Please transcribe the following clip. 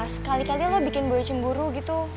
sekali kali lo bikin boy cemburu gitu